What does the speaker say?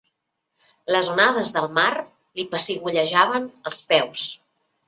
Les onades del mar li pessigollejaven els peus.